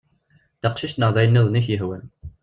D taqcict neɣ d ayen-nniḍen i ak-yehwan.